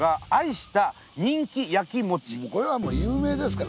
これはもう有名ですから。